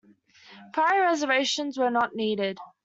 Prior reservations were not needed.